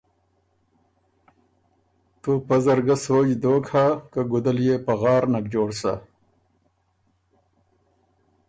تُو پۀ زر ګه سوچ دوک هۀ که ګده دل يې پغار نک جوړ سۀ۔